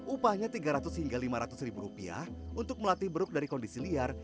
upahnya tiga ratus hingga lima ratus ribu rupiah untuk melatih buruk dari kondisi liar